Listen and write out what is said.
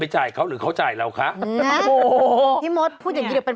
จ่ายเขาหรือเขาจ่ายเราคะโอ้โหพี่มดพูดอย่างงี้เดี๋ยวเป็น